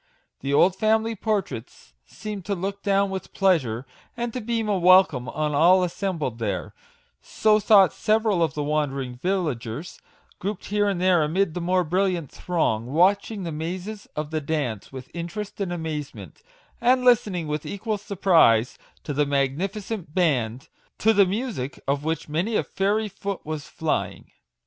The old family portraits seemed to look down with pleasure, and to beam a welcome on all assem bled there ; so thought several of the wander ing villagers, grouped here and there amid the more brilliant throng, watching the mazes of the dance with interest and amazement, and listening with equal surprise to the magnificent band, to the music of which many a fairy foot was flying.